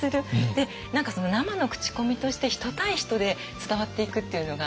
でその生の口コミとして人対人で伝わっていくっていうのが。